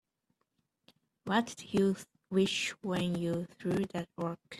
What'd you wish when you threw that rock?